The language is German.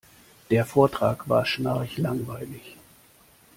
Der Vortrag war schnarchlangweilig.